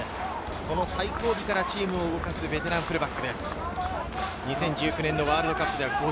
最後尾からチームを動かすベテランフルバックです。